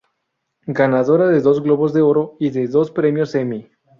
Ganadora de dos Globo de Oro y de dos Premios Emmy.